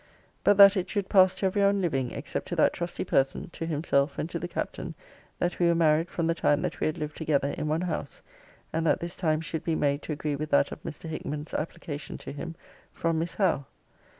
' But that it should pass to every one living, except to that trusty person, to himself, and to the Captain, that we were married from the time that we had lived together in one house; and that this time should be made to agree with that of Mr. Hickman's application to him from Miss Howe.'